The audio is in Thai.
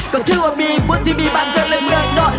ก็คือว่ามีบุญที่มีบ้านเกิดในเมืองนอน